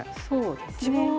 そうですね。